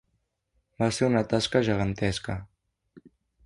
Va ser una tasca gegantesca.